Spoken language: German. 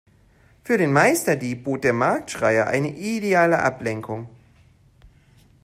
Für den Meisterdieb bot der Marktschreier eine ideale Ablenkung.